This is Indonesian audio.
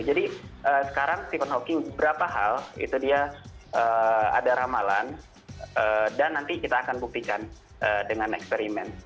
jadi sekarang stephen hawking berapa hal itu dia ada ramalan dan nanti kita akan buktikan dengan eksperimen